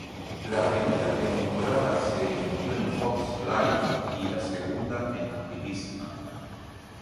La primera temporada se emitió en Fox Life y la segunda en Utilísima.